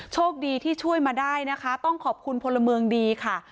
โชคดีที่ช่วยมาได้นะคะต้องขอบคุณพลเมืองดีค่ะ